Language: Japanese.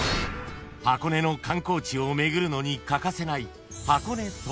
［箱根の観光地を巡るのに欠かせない］